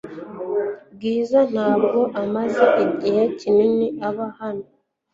Bwiza ntabwo amaze igihe kinini aba hano .